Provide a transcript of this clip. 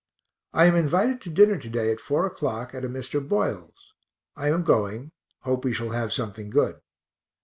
I am invited to dinner to day at 4 o'clock at a Mr. Boyle's I am going (hope we shall have something good).